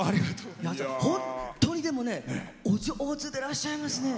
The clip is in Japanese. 本当にお上手でいらっしゃいますね。